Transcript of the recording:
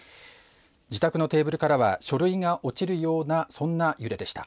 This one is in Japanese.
自宅のテーブルからは書類が落ちるようなそんな揺れでした。